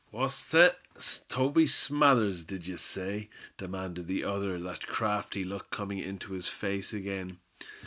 "What's thet? Toby Smathers, did ye say?" demanded the other, that crafty look coming into his face again.